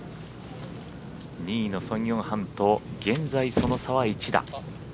２位のソン・ヨンハンと現在、その差は１打。